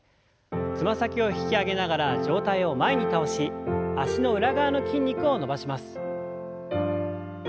つま先を引き上げながら上体を前に倒し脚の裏側の筋肉を伸ばします。